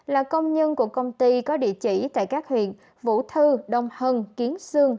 là công nhân của công ty có địa chỉ tại các huyện vũ thư đông hân kiến sương